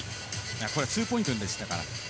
これはツーポイントでしたか。